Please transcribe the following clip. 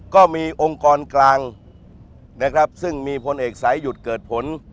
ก็มีองค์กรกลางซึ่งมีพลเอกสายุทธ์เกิดผล